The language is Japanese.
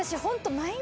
・毎日？